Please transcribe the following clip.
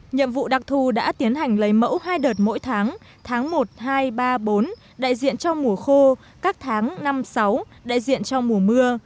nhiệm vụ đặc thù đã tiến hành lấy mẫu hai đợt mỗi tháng tháng một hai ba bốn đại diện trong mùa khô các tháng năm sáu đại diện trong mùa mưa